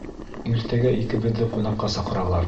Иртәгә икебеҙҙе ҡунаҡҡа саҡыралар.